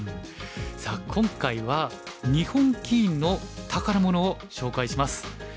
さあ今回は日本棋院の宝物を紹介します。